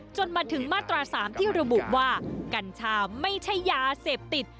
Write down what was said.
จนมาถึงมาตรา๓ที่ระบุว่ากัญชาไม่ใช่ยาเสพติด